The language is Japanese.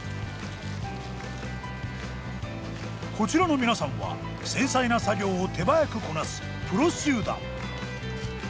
こちらの皆さんは繊細な作業を手早くこなすプロ集団。